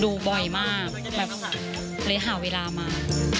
ดูบ่อยมากแบบเลยหาเวลามา